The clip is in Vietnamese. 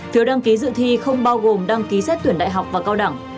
phiếu đăng ký dự thi không bao gồm đăng ký xét tuyển đại học và cao đẳng